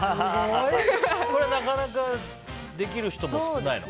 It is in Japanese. これ、なかなかできる人は少ないの？